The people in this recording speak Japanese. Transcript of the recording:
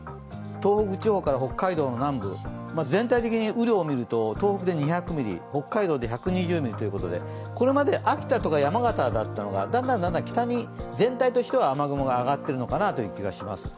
東北地方から北海道の南部全体的に雨量を見ると東北で２００ミリ、北海道で１２０ミリということで、これまで秋田とか山形だったのがだんだん北に全体としては雨雲が上がってるのかなという感じがします。